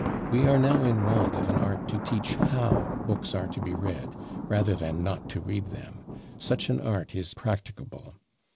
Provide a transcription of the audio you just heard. We are now in want of an art to teach how books are to be read, rather than not to read them: such an art is practicable.